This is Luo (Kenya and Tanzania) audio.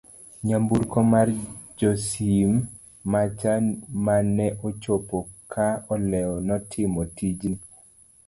nyamburko mar josim mach maneochopo ka olewo notimo tijni